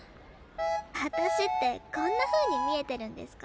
私ってこんなふうに見えてるんですか？